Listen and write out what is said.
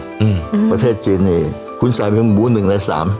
อืมอืมประเทศจีนเนี่ยคุณสามารถไว้ทำหมูหนึ่งในสาม